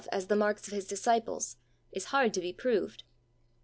as the marks of His disciples is hard to be proved.